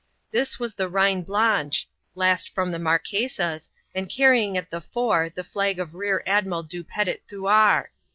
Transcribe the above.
This was the Reine Blanche, last from the Marquesas, and carrying at the fore, the flag of Rear Admiral Du Petit Thouars.